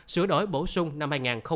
sửa đổi bổ sung năm hai nghìn một mươi ba